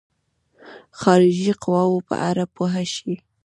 خارجي قواوو په اړه پوه شي.